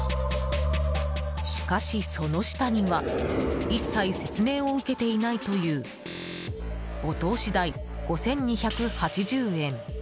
しかし、その下には一切説明を受けていないというお通し代５２８０円